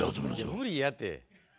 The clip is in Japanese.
無理やて。